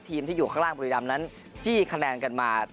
ที่อยู่ข้างล่างบุรีรำนั้นจี้คะแนนกันมา